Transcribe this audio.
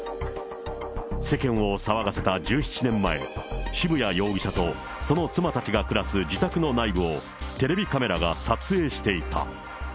世間を騒がせた１７年前、渋谷容疑者とその妻たちが暮らす自宅の内部を、テレビカメラが撮影していた。